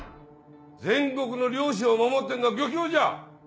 全国の漁師を守ってんのは漁協じゃ！